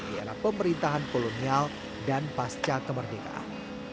di era pemerintahan kolonial dan pasca kemerdekaan